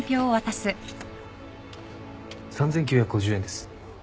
３，９５０円です。